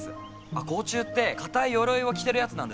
あ甲虫って硬いヨロイを着てるヤツなんですけどね。